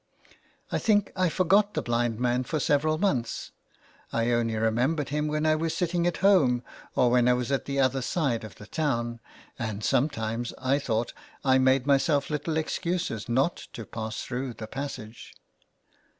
I think I forgot the blind man for several months. I only remembered him when I was sitting at home, or when I was at the other side of the town, and some times I thought I made myself little excuses not to pass through the passage.